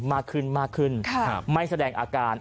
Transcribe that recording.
มากขึ้นไม่แสดงอาการ